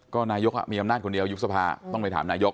ก็นายกมีอำนาจคนเดียวยุบสภาต้องไปถามนายก